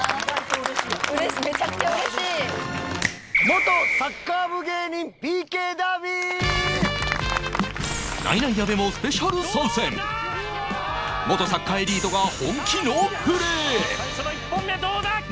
元サッカーエリートが本気のプレー！